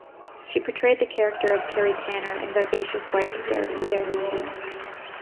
She portrayed the character of Teri Tanner, the vivacious wife of Danny Tanner.